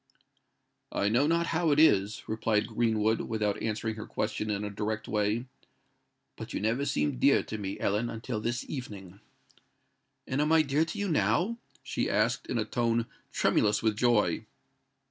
"I know not how it is," replied Greenwood, without answering her question in a direct way, "but you never seemed dear to me, Ellen, until this evening." "And am I dear to you now?" she asked, in a tone tremulous with joy.